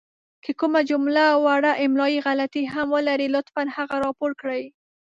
که کومه جمله وړه املائې غلطې هم ولري لطفاً هغه راپور کړئ!